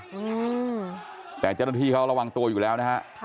อืมแต่เจ้าหน้าที่เขาระวังตัวอยู่แล้วนะฮะ